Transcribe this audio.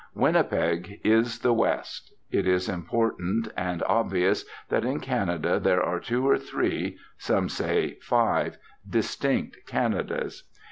Winnipeg is the West. It is important and obvious that in Canada there are two or three (some say five) distinct Canadas.